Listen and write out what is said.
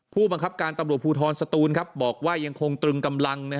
ผู้บังคับการตำรวจภูทรสตูนบอกว่ายังคงตรึงกำลัง